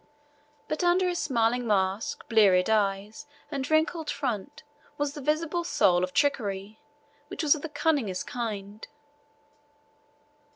But under his smiling mask, bleared eyes, and wrinkled front was visible the soul of trickery, which was of the cunningest kind.